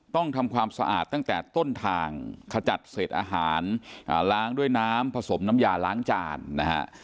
ต้องทำความสะอาดตั้งแต่ต้นทางขจัดเศษอาหารล้างด้วยน้ำผสมน้ำยาล้างจานนะฮะ